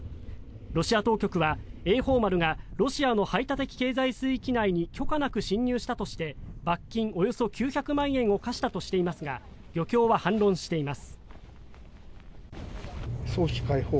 ロシア当局は「栄宝丸」がロシアの排他的経済水域内に許可なく侵入したとして罰金およそ９００万円を科したとしていますが漁協は反論しています。